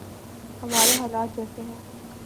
ہمارے حالات جیسے ہیں۔